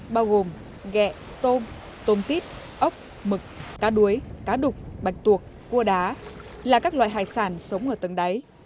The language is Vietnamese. bao gồm ghẹ tôm tôm tít ốc mực cá đuối cá đục bạch tuộc cua đá là các loại hải sản sống ở tầng đáy